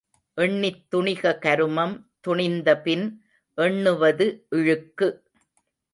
எண்ணித் துணிக கருமம், துணிந்தபின் எண்ணுவது இழுக்கு.